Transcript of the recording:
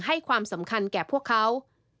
ให้ความสำคัญแก่พวกเขา